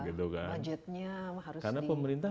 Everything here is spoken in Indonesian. budgetnya harus di pemerintah